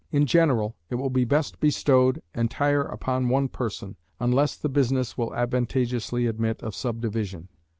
In general it will be best bestowed entire upon one person, unless the business will advantageously admit of subdivision.